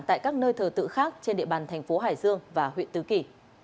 tại các nơi thờ tự khác trên địa bàn thành phố hải dương và huyện tứ kỳ